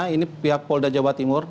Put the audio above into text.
ini pihak polda jawa timur